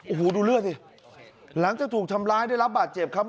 โอ้โหดูเลือดสิหลังจากถูกทำร้ายได้รับบาดเจ็บครับ